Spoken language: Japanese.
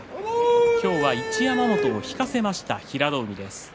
今日は一山本を引かせました平戸海です。